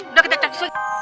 udah kita cek